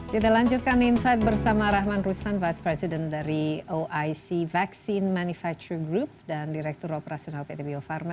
kita lanjutkan insight bersama rahman rustan vice president dari oic vaccine manufacture group dan direktur operasional pt bio farma